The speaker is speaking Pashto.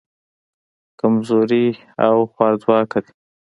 کمزوري او خوارځواکه دي.